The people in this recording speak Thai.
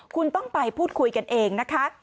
คุณต้องไปพูดคุยกันเองนะคะ